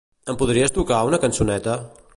Em podries tocar una cançoneta?